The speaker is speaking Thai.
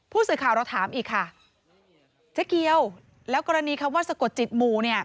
ผู้สื่อข่าวเราถามอีกค่ะเจ๊เกียวแล้วกรณีคำว่าสะกดจิตหมู่เนี่ย